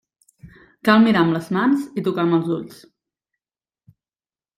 Cal mirar amb les mans i tocar amb els ulls.